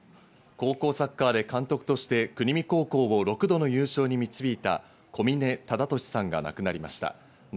高校サッカーで監督として国見高校を６度の優勝に導いた小嶺忠敏さんが亡くなりました。